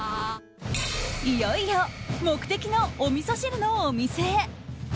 いよいよ目的のおみそ汁のお店へ。